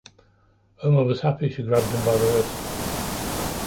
Omer was happy she grabbed him by the wrist.